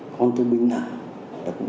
con thương minh nặng